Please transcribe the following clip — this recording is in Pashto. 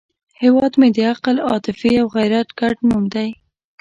هیواد مې د عقل، عاطفې او غیرت ګډ نوم دی